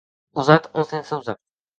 Usat o sense usar?